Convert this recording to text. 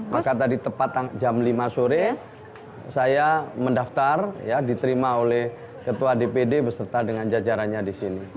maka tadi tepat jam lima sore saya mendaftar diterima oleh ketua dpd beserta dengan jajarannya di sini